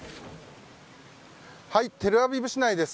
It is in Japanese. テルアビブ市内です。